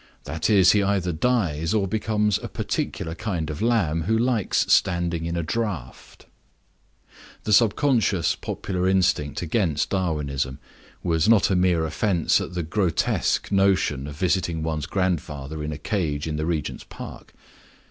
That is, he either dies or becomes a particular kind of lamb who likes standing in a draught. The subconscious popular instinct against Darwinism was not a mere offense at the grotesque notion of visiting one's grandfather in a cage in the Regent's Park.